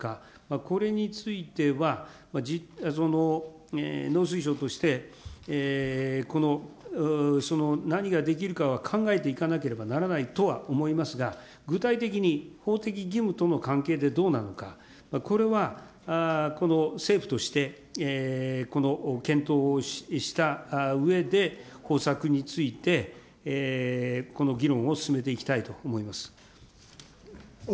これについては農水省として、何ができるかは考えていかなければならないとは思いますが、具体的に法的義務との関係でどうなのか、これは政府として、検討をしたうえで、方策についてこの議論を進めていきたいと思います。